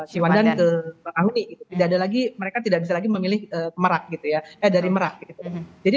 cewandan ke perangwi tidak ada lagi mereka tidak bisa lagi memilih merak gitu ya dari merak jadi